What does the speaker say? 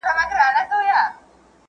په ازل کي یې لیکلې یو له بله دښمني ده